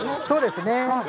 そうですね。